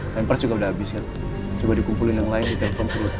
temper juga udah habis ya coba dikumpulin yang lain di telepon